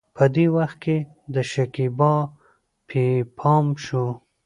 په دې وخت کې د شکيبا پې پام شو.